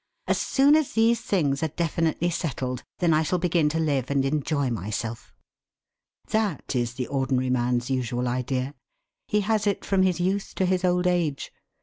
As soon as these things are definitely settled, then I shall begin to live and enjoy myself.' That is the ordinary man's usual idea. He has it from his youth to his old age.